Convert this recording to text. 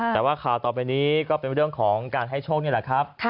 แต่ว่าข่าวต่อไปนี้ก็เป็นเรื่องของการให้โชคนี่แหละครับ